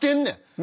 何？